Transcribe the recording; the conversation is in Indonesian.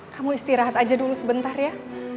kamu istirahat aja dulu sebentar ya